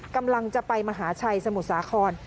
กำลังจะไปมหาชัยสมุทรสาคร